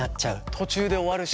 途中で終わるし。